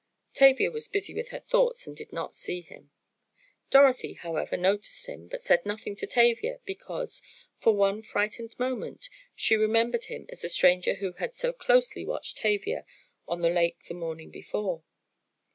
Tavia was busy with her thoughts and did not see him. Dorothy, however, noticed him, but said nothing to Tavia, because, for one frightened moment, she remembered him as the stranger who had so closely watched Tavia on the lake the morning before.